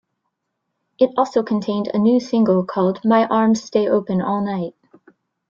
It also contained a new single called "My Arms Stay Open All Night".